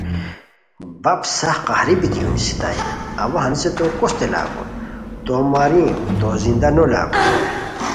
بپ سخت قہری بیتی یو نیسیتائے، اوا ہنیسے تو کوستے لاکوم، تو ماریم تو زندہ نو لاکوم رے